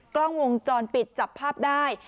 กล้องวงจรปิดจับภาพได้